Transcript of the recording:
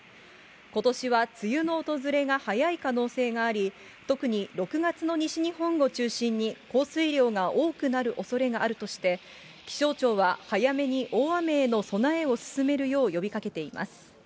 ことしは梅雨の訪れが早い可能性があり、特に６月の西日本を中心に、降水量が多くなるおそれがあるとして、気象庁は早めに大雨への備えを進めるよう呼びかけています。